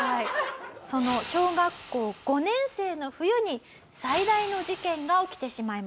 その小学校５年生の冬に最大の事件が起きてしまいます。